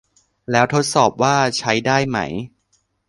แล้วทดสอบว่าใช้ได้ไหม